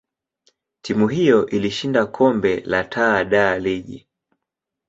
timu hiyo ilishinda kombe la Taa da Liga.